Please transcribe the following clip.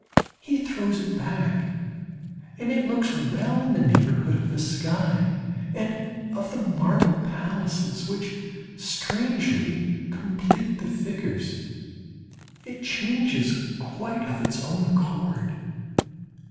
He throws it back, and it looks well in the neighbourhood of the sky and of the marble palaces, which strangely complete the figures; it changes quite of its own accord.